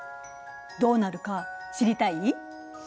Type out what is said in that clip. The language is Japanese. どうなるか知りたい？